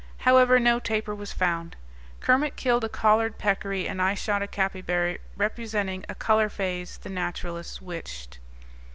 However, no tapir was found; Kermit killed a collared peccary, and I shot a capybara representing a color phase the naturalists wished.